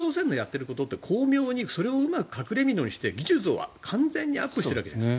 だけど、その実北朝鮮のやってることって巧妙にそれをうまく隠れみのにして技術を完全にアップしているわけじゃないですか。